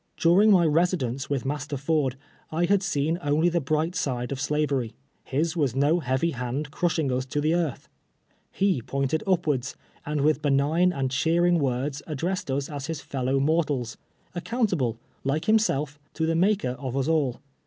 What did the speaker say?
During my residence with Master Ford I had seen only the bright side of slavery. His was no heavy hand crushing us to the earth. lie pointed upwards, and with benign and cheering words ad dressed us as his fellow mortals, accountable, like himself, to the MaKer of us all.